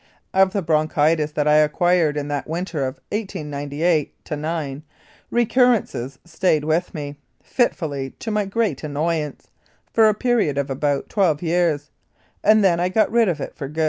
Of the bronchitis that I acquired in that winter of 1898 9, recurrences stayed with me, fit fully, to my great annoyance, for a period of about twelve years, and then I got rid of it for good.